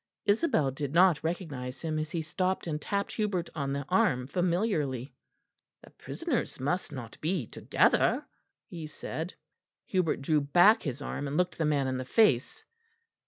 Isabel did not recognise him as he stopped and tapped Hubert on the arm familiarly. "The prisoners must not be together," he said. Hubert drew back his arm and looked the man in the face.